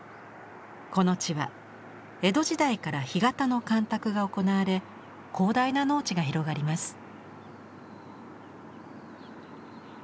この地は江戸時代から干潟の干拓が行われ広大な農地が広がります。